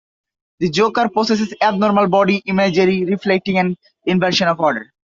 The Joker possesses abnormal body imagery, reflecting an inversion of order.